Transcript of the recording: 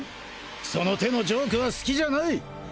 その手のジョークは好きじゃない！